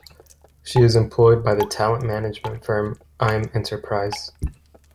She is employed by the talent management firm I'm Enterprise.